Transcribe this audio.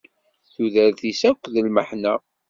Tudert-is akk d lmeḥna.